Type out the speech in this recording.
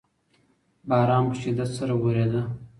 باران په شدت سره ورېده.